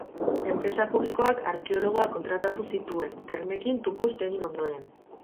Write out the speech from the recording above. Enpresa publikoak arkeologoak kontratatu zituen, termekin tupust egin ondoren.